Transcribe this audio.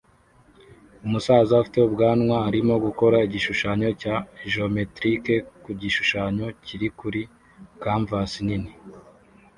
Umusaza ufite ubwanwa arimo gukora igishushanyo cya geometrike ku gishushanyo kiri kuri canvas nini